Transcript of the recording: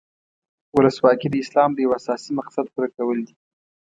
ولسواکي د اسلام د یو اساسي مقصد پوره کول دي.